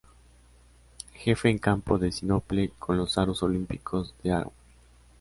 Jefe, en campo de sinople, con los aros olímpicos, de oro.